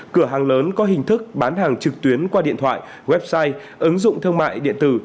cửa hàng lớn có hình thức bán hàng trực tuyến qua điện thoại website ứng dụng thương mại điện tử